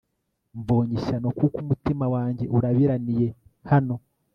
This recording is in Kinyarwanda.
mbonye ishyano kuko umutima wanjye urabiraniye hano